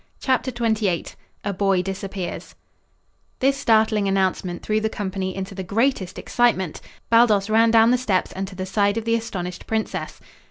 CHAPTER XXVIII A BOY DISAPPEARS This startling announcement threw the company into the greatest excitement. Baldos ran down the steps and to the side of the astonished princess.